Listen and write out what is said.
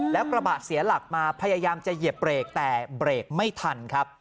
แล้วกระบะเสียหลักมาพยายามจะเหยียบเบรกแต่เบรกไม่ทันครับ